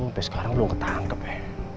sampai sekarang belum ketangkep ya